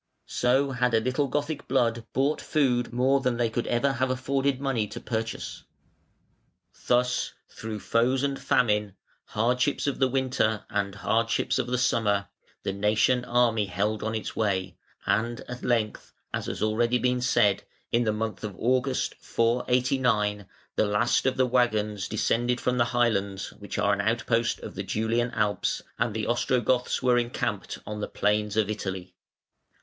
So had a little Gothic blood bought food more than they could ever have afforded money to purchase. Thus, through foes and famine, hardships of the winter and hardships of the summer, the nation army held on its way, and at length (as has been already said) in the month of August (489) the last of the waggons descended from the highlands, which are an outpost of the Julian Alps, and the Ostrogoths were encamped on the plains of Italy.